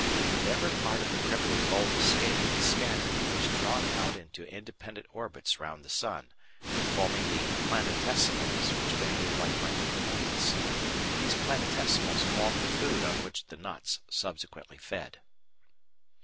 Whatever part of the primitive bolt escaped and scattered was drawn out into independent orbits round the sun, forming the "planetesimals" which behave like minute planets. These planetesimals formed the food on which the knots subsequently fed.